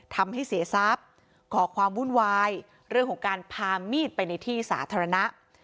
ทำให้เสียทรัพย์ก่อความวุ่นวายเรื่องของการพามีดไปในที่สาธารณะ